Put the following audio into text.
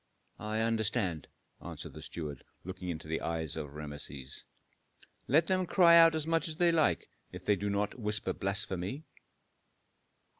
"I understand," answered the steward, looking into the eyes of Rameses. "Let them cry out as much as they like if they do not whisper blasphemy."